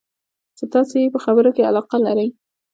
چې تاسې یې په خبرو کې علاقه لرئ.